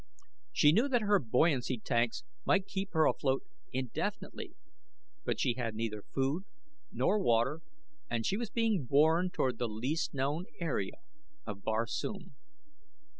She knew that her buoyancy tanks might keep her afloat indefinitely, but she had neither food nor water, and she was being borne toward the least known area of Barsoom.